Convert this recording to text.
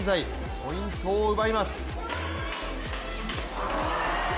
ポイントを奪います。